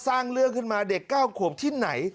สร้างเรื่องขึ้นมาเด็ก๙ขวบที่ไหน